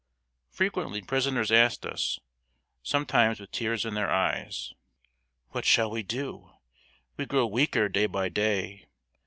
Frequently prisoners asked us, sometimes with tears in their eyes: "What shall we do? We grow weaker day by day.